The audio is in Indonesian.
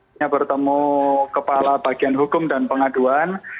hanya bertemu kepala bagian hukum dan pengaduan